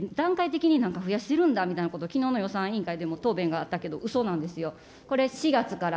段階的になんか増やしてるんだということをきのうの予算委員会でも答弁があったけど、うそなんですよ。